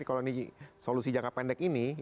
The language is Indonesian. kalau ini solusi jangka pendek ini